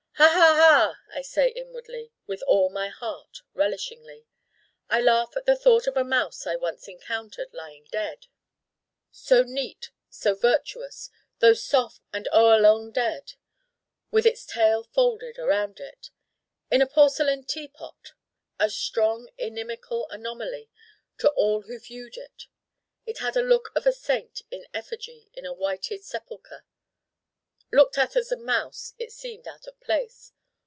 Ha! ha! ha! I say inwardly: with all my Heart: relishingly. I laugh at the thought of a mouse I once encountered lying dead so neat, so virtuous though soft and o'er long dead with its tail folded around it in a porcelain tea pot: a strong inimical anomaly to all who viewed it. It had a look of a saint in effigy in a whited sepulcher. Looked at as a mouse it seemed out of place.